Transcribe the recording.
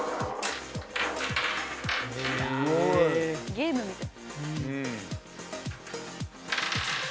ゲームみたい。